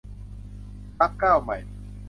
พรรคก้าวใหม่